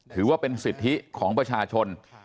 ถือว่าเป็นสิทธิของประชาชน